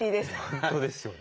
本当ですよね。